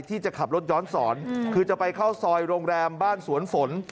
ที่จะขับรถย้อนสอนคือจะไปเข้าซอยโรงแรมบ้านสวนฝน